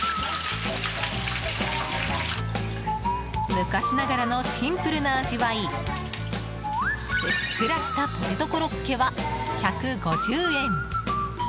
昔ながらのシンプルな味わいふっくらしたポテトコロッケは１５０円。